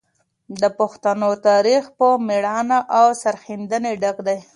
د پښتنو تاریخ په مړانه او سرښندنې ډک دی.